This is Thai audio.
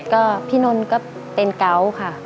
ก็พี่นนท์ก็เป็นเกาะค่ะ